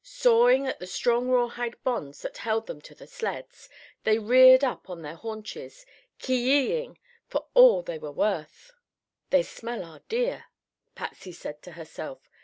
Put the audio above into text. Sawing at the strong rawhide bonds that held them to the sleds, they reared up on their haunches, ki yi ing for all they were worth. "They smell our deer," Patsy said to herself.